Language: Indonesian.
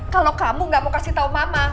kalo kamu gak mau kasih tau mama